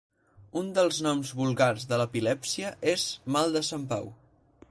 Un dels noms vulgars de l'epilèpsia és "mal de Sant Pau".